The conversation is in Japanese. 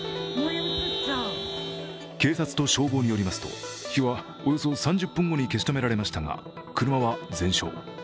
警察と消防によりますと、火はおよそ３０分後に消し止められましたが、車は全焼。